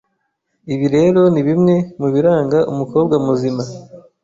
Ibi rero ni bimwe mu biranga umukobwa muzima